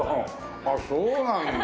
あっそうなんだ。